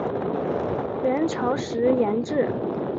元朝时沿置。